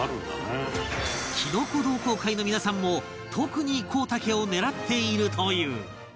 きのこ同好会の皆さんも特にコウタケを狙っているという